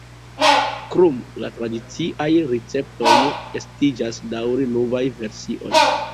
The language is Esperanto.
Krom la tradiciaj receptoj estiĝas daŭre novaj versioj.